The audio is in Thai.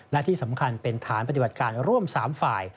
และที่สำคัญเป็นฐานปฏิบัติการร่วม๓ฝ่าย